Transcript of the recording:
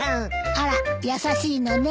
あら優しいのね。